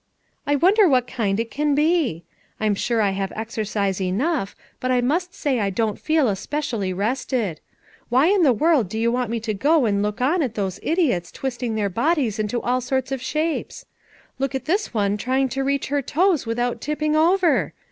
I wonder what kind it can be? I'm sure I have exercise enough but I must say I don't feel especially rested. Why in the world do you want me to go and look on at those idiots twisting their bodies into all sorts of shapes ? Look at this one trying to reach her toes without tipping over!